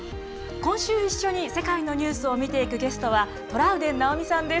今週一緒に世界のニュースを見ていくゲストはトラウデン直美さんです。